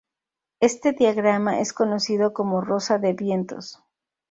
Este diagrama es conocido como rosa de vientos.